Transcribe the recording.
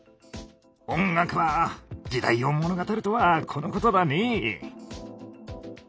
音楽は時代を物語るとはこのことだね。